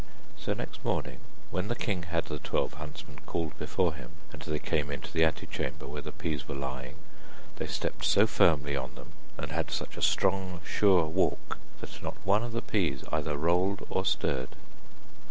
So next morning when the king had the twelve huntsmen called before him, and they came into the ante chamber where the peas were lying, they stepped so firmly on them, and had such a strong, sure walk, that not one of the peas either rolled or stirred.